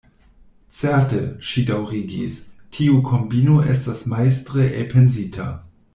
Certe, ŝi daŭrigis, tiu kombino estas majstre elpensita.